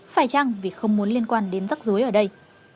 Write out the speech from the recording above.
phải chăng vì không muốn liên quan đến rắc rối ở đây